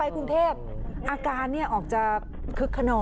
อาการออกจะคึกขนอง